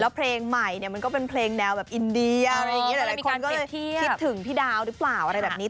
แล้วเพลงใหม่เนี่ยมันก็เป็นเพลงแนวแบบอินเดียอะไรอย่างนี้หลายคนก็คิดถึงพี่ดาวหรือเปล่าอะไรแบบนี้